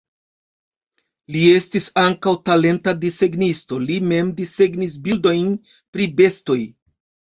Li estis ankaŭ talenta desegnisto, li mem desegnis bildojn pri bestoj.